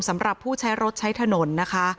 สำหรับผู้ใช้รถใช้ถนนนะคะ